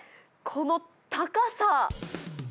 この高さ。